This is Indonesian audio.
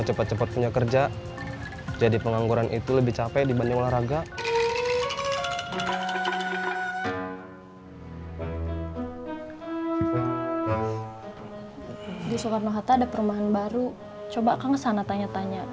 di soekarno hatta ada perumahan baru coba akan kesana tanya tanya